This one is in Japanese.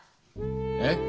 えっ？